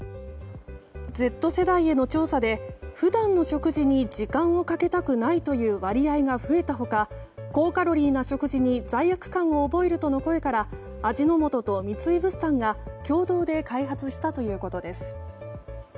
Ｚ世代への調査で普段の食事に時間をかけたくないという割合が増えた他高カロリーな食事に罪悪感を覚えるとの声から味の素と三井物産が共同で開発したということです。